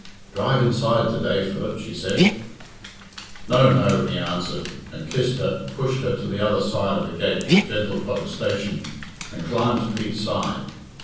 "Drive inside to day, Philip," she said. "No, no," he answered, and kissed her, pushed her to the other side of the gate with gentle protestation, and climbed to Pete's side.